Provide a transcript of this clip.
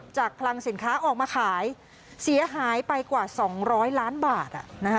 คลังสินค้าออกมาขายเสียหายไปกว่า๒๐๐ล้านบาท